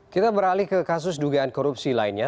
kita beralih ke kasus dugaan korupsi lainnya